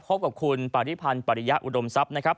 พบกับคุณปาริพันธ์ปริยะอุดมทรัพย์นะครับ